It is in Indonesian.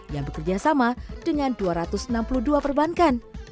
yang bekerja sama dengan dua ratus enam puluh dua perbankan